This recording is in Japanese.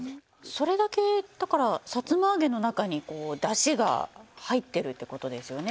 それだけだからさつまあげの中にこうだしが入ってるって事ですよね。